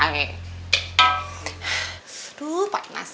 aduh pak inas